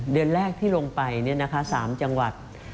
เดือนแรกที่ลงไป๓จังหวัด